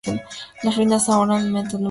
Las ruinas ahora albergan un museo.